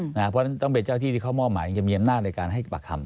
เพราะฉะนั้นต้องเป็นเจ้าที่ที่เขามอบหมายจะมีอำนาจในการให้ปากคำ